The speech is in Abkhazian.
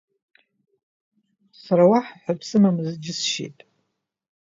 Сара уаҳа ҳәатә сымамыз џьысшьеит.